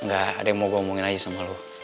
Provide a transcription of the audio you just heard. gak ada yang mau gue omongin aja sama lo